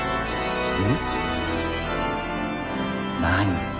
何？